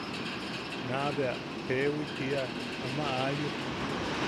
Naʼa bea jeewi tiia. –Ama aayuk.